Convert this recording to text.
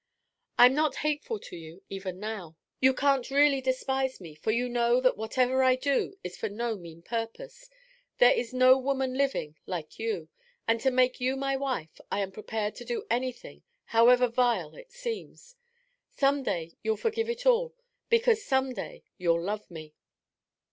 I'm not hateful to you, even now; you can't really despise me, for you know that whatever I do is for no mean purpose. There is no woman living like you, and to make you my wife I am prepared to do anything, however vile it seems. Some day you'll forgive it all, because some day you'll love me!'